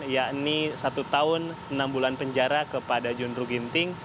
yakni satu tahun enam bulan penjara kepada john ruh ginting